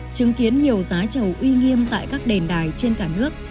chứng kiến nhiều giá trầu uy nghiêm tại các đền đài trên cả nước